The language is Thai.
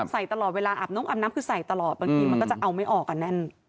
ใส่ตลอดเวลาอาบน้องอาบน้ำจริงมันก็จะเอาไม่ออกกันแน่น